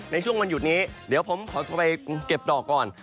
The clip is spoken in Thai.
ในช่วงวันหยุดนี้เดี๋ยวผมขอไปเก็บดอกก่อน